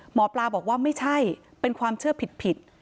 หมอปลาบอกว่าไม่ใช่เป็นความเชื่อผิด